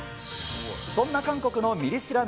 そんな韓国のミリ知ら夏